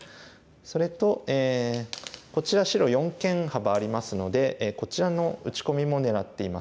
それとこちら白四間幅ありますのでこちらの打ち込みも狙っていますね。